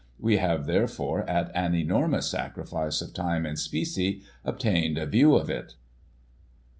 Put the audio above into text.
We have, therefore, at an enormous sacri fice of time and specie, obtained a view of it."